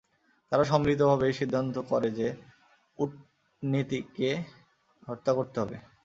তারা সম্মিলিতভাবে এই সিদ্ধান্ত করে যে, উটনীটিকে হত্যা করতে হবে।